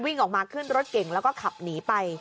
วิ่งออกมาขึ้นรถเก่งแล้วก็ขับหนีไป